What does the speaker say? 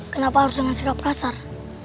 kenapa harus dengan sikap kasar